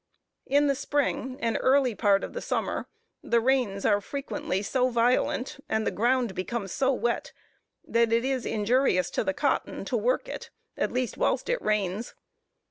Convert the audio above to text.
In the spring and early parts of the summer, the rains are frequently so violent, and the ground becomes so wet, that it is injurious to the cotton to work it, at least whilst it rains.